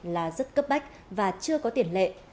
là rất cấp bách và chưa có tiền lệ